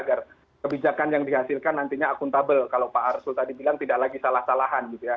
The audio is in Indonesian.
agar kebijakan yang dihasilkan nantinya akuntabel kalau pak arsul tadi bilang tidak lagi salah salahan gitu ya